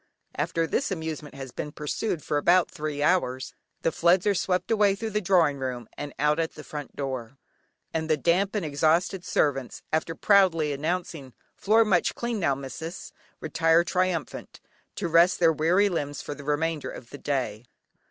After this amusement has been pursued for about three hours, the floods are swept away through the drawing room and out at the front door, and the damp and exhausted servants, after proudly announcing: "Floor much clean now, missis," retire triumphant, to rest their weary limbs for the remainder of the day.